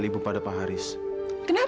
ibu tanya haris kenapa